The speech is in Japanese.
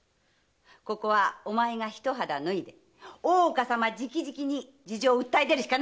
ここはお前がひと肌脱いで大岡様直々に事情を訴え出るしかないよ！